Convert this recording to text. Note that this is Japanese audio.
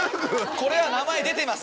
これは名前出てます